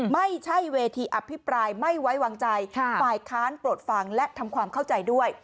ไม่ใช่เวทีอภิปรายไม่ไว้วางใจฝ่ายค้านโปรดฟังและทำความเข้าใจด้วย